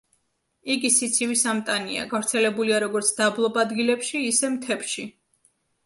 იგი სიცივის ამტანია, გავრცელებულია როგორც დაბლობ ადგილებში ისე მთებში.